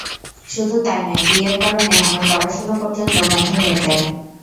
শুধু তাই নয়, বিয়ের কারণে আমার পড়াশোনা পর্যন্ত বন্ধ হয়ে যায়।